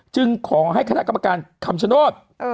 จึงขอให้คณะกรรมการคำชโนธ